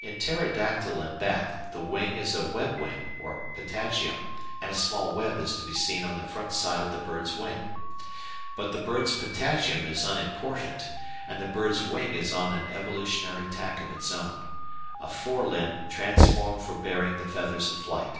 In Pterodactyl and bat the wing is a web wing or patagium, and a small web is to be seen on the front side of the bird's wing. But the bird's patagium is unimportant, and the bird's wing is on an evolutionary tack of its own a fore limb transformed for bearing the feathers of flight.